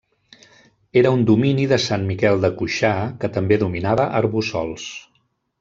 Era un domini de Sant Miquel de Cuixà, que també dominava Arboçols.